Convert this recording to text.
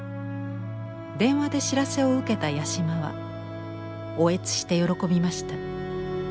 電話で知らせを受けた八島は嗚咽して喜びました。